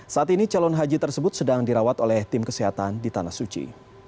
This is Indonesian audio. saat ini calon haji tersebut sedang dirawat oleh tim kesehatan di tanah suci